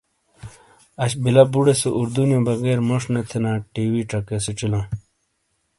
اش بلہ بوڑے سے اردو نیو بغیر موش نے تھینا ٹی ۔وی چکے سیچی لاں۔